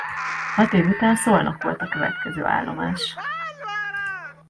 Hat év után Szolnok volt a következő állomás.